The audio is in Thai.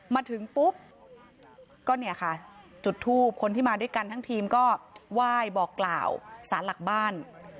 มาถึงปุ๊บก็เนี่ยค่ะจุดทูบคนที่มาด้วยกันทั้งทีมก็ไหว้บอกกล่าวสารหลักบ้าน